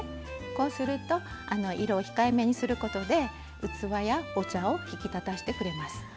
こうすると色を控えめにすることで器やお茶を引き立たしてくれます。